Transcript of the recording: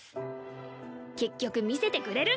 結局見せてくれるんかい！